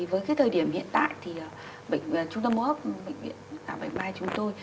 với thời điểm hiện tại thì trung tâm hô hấp bệnh viện bệnh vai chúng tôi